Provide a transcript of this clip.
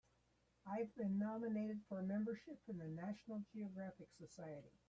I've been nominated for membership in the National Geographic Society.